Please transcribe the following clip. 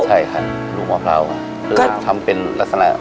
ใช่ครับลูกมะพร้าวคือทำเป็นลักษณะ